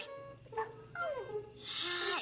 nah sekarang ke mana